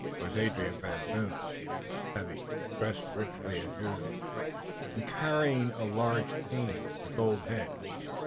It was Adrian Van Zoon, heavy, dressed richly as usual, and carrying a large cane, with a gold head.